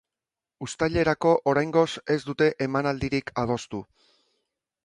Uztailerako, oraingoz, ez dute emanaldirik adostu.